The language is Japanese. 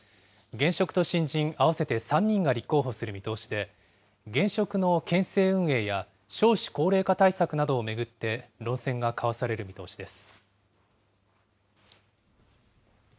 現職と新人合わせて３人が立候補する見通しで、現職の県政運営や、少子高齢化対策などを巡って、論戦が交わされる見通しです。